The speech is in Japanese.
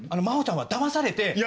真帆ちゃんはだまされて。